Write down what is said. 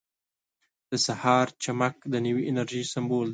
• د سهار چمک د نوې انرژۍ سمبول دی.